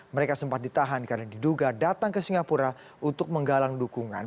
mereka sempat ditahan karena diduga datang ke singapura untuk menggalang dukungan